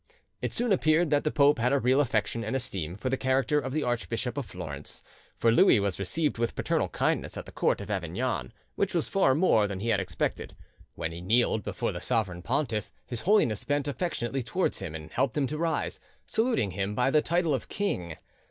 It soon appeared that the pope had a real affection and esteem for the character of the Archbishop of Florence, for Louis was received with paternal kindness at the court of Avignon; which was far more than he had expected: when he kneeled before the sovereign pontiff, His Holiness bent affectionately towards him and helped him to rise, saluting him by the title of king.